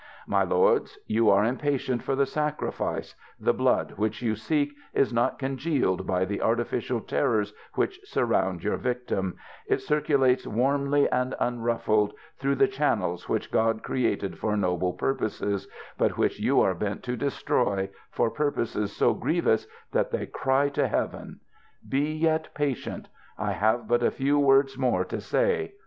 My lords, you are impatient for the sacrifice ŌĆö the blood which you seek, is not congealed by the artificial terrors which sur round your victim ; it circulates warmly and unruffled, through the channels which God created for noble purposes, but which you are bent to destroy, for purposes so grievous, that they cry to heaven. ŌĆö Be yet patient ! I have but a few words more to say.